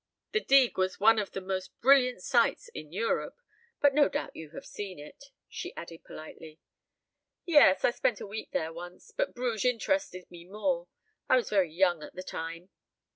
The digue was one of the most brilliant sights in Europe but no doubt you have seen it," she added politely. "Yes, I spent a week there once, but Bruges interested me more. I was very young at the time."